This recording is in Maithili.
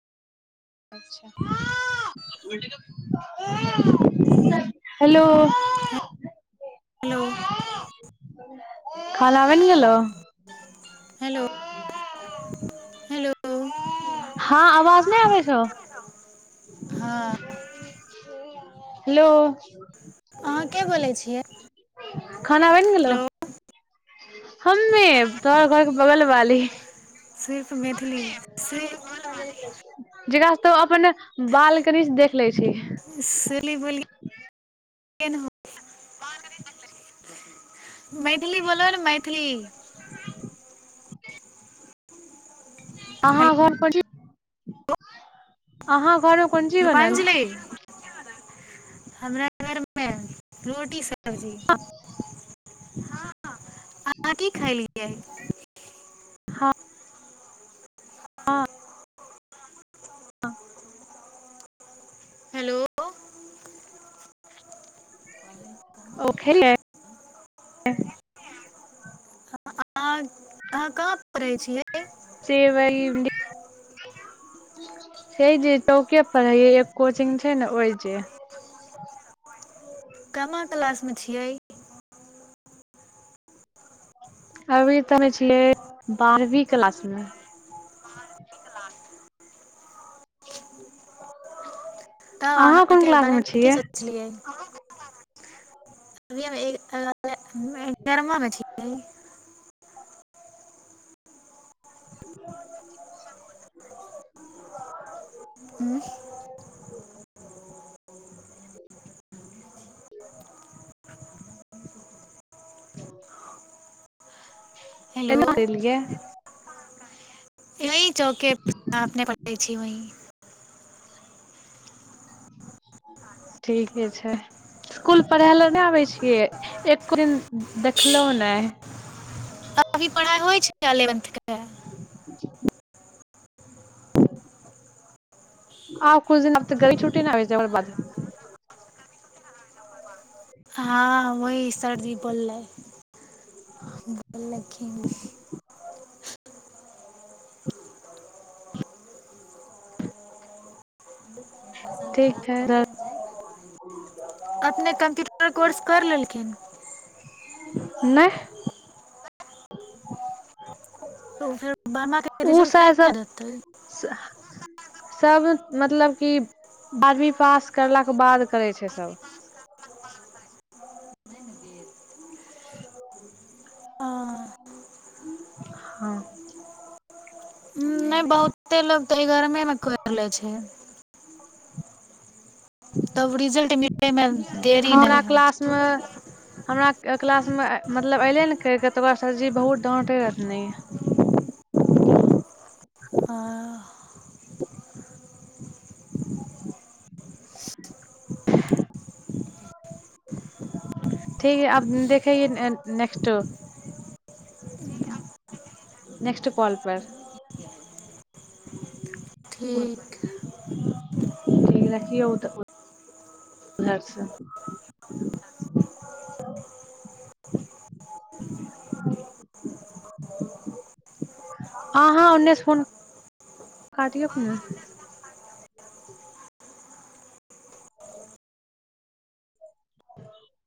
अच्छा [unintelligible] [inaudible] हेलो हेलो खाना बनि गेलौ हेलो हेलो हँ आवाज नहि आबै छौ हँ हेलो अहाँ के बोलै छियै हेलो हममे तोहर घरके बगलवाली। सिर्फ मैथिली सिर्फ जेकरा स तों अपने बालकनीसँ देख लै छिहीं शली बलि [unintelligible] मैथिली बोलो ने मैथिली। अहाँ हेलो घर पर अहाँ आरो कोनो चीज बनल रूपांजलि हमरा घरमे रोटी सब्जी हँ अहाँ की खैलियै। हँ हेलो [unintelligible] त [unintelligible] अहाँ-अहाँ कहाँ पढ़ै छियै। से वही से जे चौके पर हइ कोचिंग छै ने ओहि जे। केमा क्लासमे छियै अभी तऽ हमे छियै बारहवीं क्लास मे। [unintelligible] तब अहाँ कोन आगाँके क्लास मे बारेमे की छियै सोचलियै [unintelligible] हमें एगरमा मे छी नहि [unintelligible] [unintelligible] हेलो केना क एलियै ई चौके पर जहाँ अपने पढ़ै छी वहीं ठीके छै स्कूल पढ़ै लए नहि आबै छियै एको दिन देखलहुँ नहि। अभी पढ़ाइ होइ छै एलेवन्थ के त [unintelligible] ठ [unintelligible] आ कुछ दिन आब त घरे छुट्टी नहि आ छै हमर बाजब इ सरजी बोललयै बोललखिन ठीक हइ रख अपने कम्प्यूटर कोर्स कर लेलखिन नहि तऽ फेर बारहमाके ओ रिजल्ट सा नहि ने देतै सभ मतलब की बारहवीं पास करलाके बाद करै छैय सभ हँ हाँ नहि बहुते लोग तऽ एगरमे मे कर लेय छैय तब रिजल्ट मिले में देरी नै हमरा होइ क्लास छैय म-मतलब ऐलैलकै ततबा सरजी बहुत डांटैय रहथिन छै हँ [unintelligible] ठीक है अब देखैय नेस्ट नेस्ट कॉल पर [unintelligible] ठीक ठीक रखियौ उध-उधर से ह [unintelligible] अहाँ उनने से फोन कटियौक ने [unintelligible]